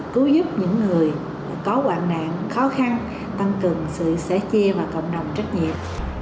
cứu giúp những người có quạng nạn khó khăn tăng cường sự sẻ chia và cộng đồng trách nhiệm